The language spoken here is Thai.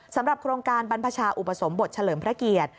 สำหรับโครงการบรรพชาอุปสมบทเฉลิมพระเกียรติ